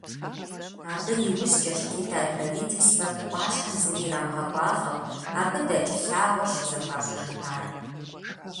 Абы иужькӀэщ Китай правительствэм Ӏуащхьэм зыри ирамыгъэкӀуалӀэу, абы дэкӀ лъагъуэр щызэхуащӀыжыпар.